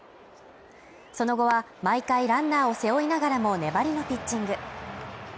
その後は毎回ランナーを背負いながらも粘りのピッチング。